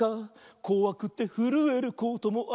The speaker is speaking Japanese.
「こわくてふるえることもある」